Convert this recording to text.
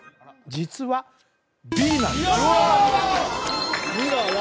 実はＢなんですうわ！